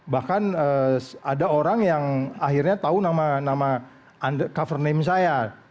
bahkan ada orang yang akhirnya tahu nama cover name saya